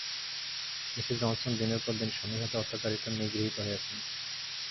Mrs Johnson দিনের পর দিন স্বামীর হাতে অত্যাচারিত, নিগৃহীত হয়েছেন।